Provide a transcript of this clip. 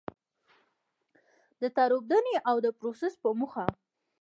تار اوبدنې او د پروسس په موخه.